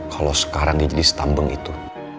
kalau sekarang dia jadi setambeng itu